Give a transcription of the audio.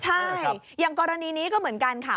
ใช่อย่างกรณีนี้ก็เหมือนกันค่ะ